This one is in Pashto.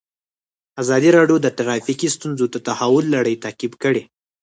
ازادي راډیو د ټرافیکي ستونزې د تحول لړۍ تعقیب کړې.